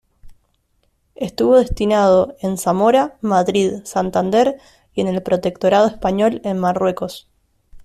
Estuvo destinado en Zamora, Madrid, Santander y en el Protectorado español en Marruecos.